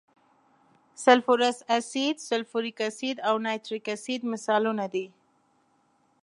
سلفورس اسید، سلفوریک اسید او نایتریک اسید مثالونه دي.